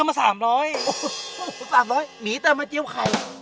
๓๐๐บาทหมีแต่มาเจี้ยวไข่